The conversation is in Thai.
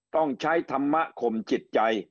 ต้องใช้ธรรมะข่มจิตใจ